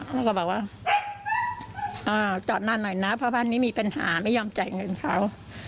ก็บอกว่าจอดนานหน่อยนะเพราะบ้านนี้มีปัญหาไม่ยอมจ่ายเงินเขา